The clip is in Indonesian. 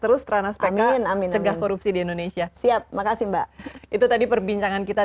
terus teranas pekain cegah korupsi di indonesia siap makasih mbak itu tadi perbincangan kita